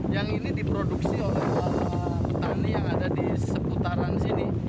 yang ini diproduksi oleh petani yang ada di seputaran sini